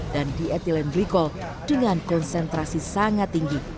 dan dietilen glikol dengan konsentrasi sangat tinggi